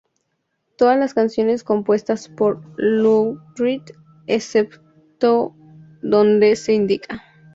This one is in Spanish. Todas las canciones compuestas por Lou Reed excepto donde se indica.